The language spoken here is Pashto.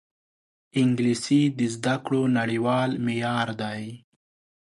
انګلیسي د زده کړو نړیوال معیار دی